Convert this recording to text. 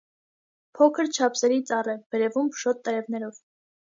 Փոքր չափսերի ծառ է՝ վերևում փշոտ տերևներով։